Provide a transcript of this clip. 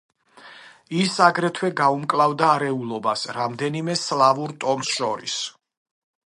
ის აგრეთვე გაუმკლავდა არეულობას რამდენიმე სლავურ ტომს შორის.